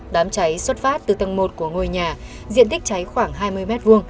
đám cháy xuất phát từ tầng một của ngôi nhà diện tích cháy khoảng hai mươi m hai